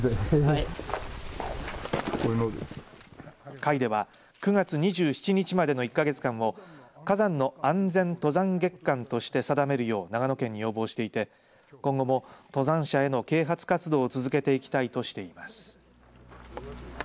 会では９月２７日までの１か月間を火山の安全登山月間として定めるよう長野県に要望していて今後も登山者への啓発活動を続けていきたいとしています。